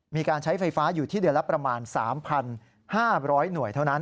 มีการใช้ไฟฟ้าอยู่ที่เดือนละประมาณ๓๕๐๐หน่วยเท่านั้น